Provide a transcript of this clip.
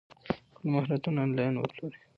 خپل مهارتونه انلاین وپلورئ.